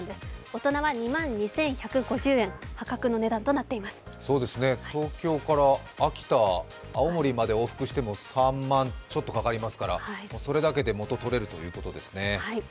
大人は２万２１５０円、東京から秋田、青森まで往復しても３万ちょっとかかりますから、それだけで元取れるということですね。